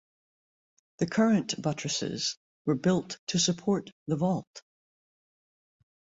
The current buttresses were built to support the vault.